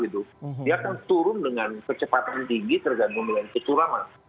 dia akan turun dengan kecepatan tinggi tergantung dengan kecuraman